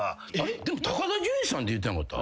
でも高田純次さんって言ってなかった？